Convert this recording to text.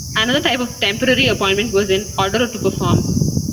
Another type of temporary appointment was an "order to perform".